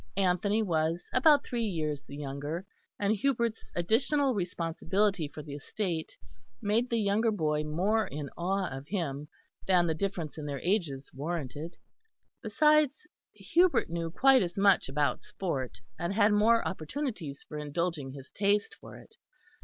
Anthony was about three years the younger, and Hubert's additional responsibility for the estate made the younger boy more in awe of him than the difference in their ages warranted. Besides, Hubert knew quite as much about sport, and had more opportunities for indulging his taste for it.